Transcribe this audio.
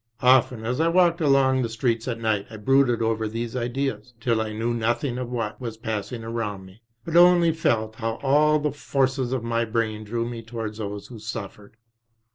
Often as I walked along the streets at night I brooded over these ideas till I knew noth ing of what was passing around me, but only felt how all the forces of my brain drew me towards those who suffered.